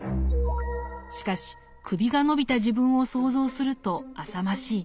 しかし首が伸びた自分を想像するとあさましい。